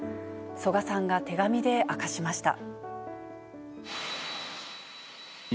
曽我さんが手紙で明かしました。